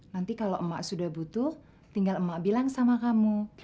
nanti kalau emak sudah butuh tinggal emak bilang sama kamu